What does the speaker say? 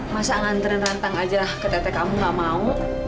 masa nganterin rantang aja ke tete kamu gak mau